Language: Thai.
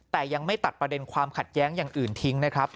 แต่ยังไม่ตัดประเด็นความขัดแย้งอย่างอื่นทิ้งนะครับ